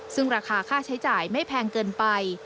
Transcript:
ซึ่งราคาค่าใช้จ่ายไม่แพงเกินไป